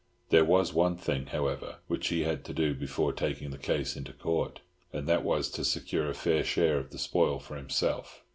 There was one thing, however, which he had to do before taking the case into Court, and that was to secure a fair share of the spoil for himself.